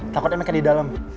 takutnya mereka di dalam